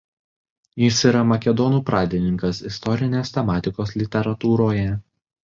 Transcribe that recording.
Jis yra makedonų pradininkas istorinės tematikos literatūroje.